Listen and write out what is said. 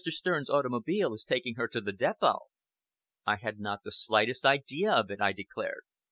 Stern's automobile is taking her to the depot." "I had not the slightest idea of it," I declared.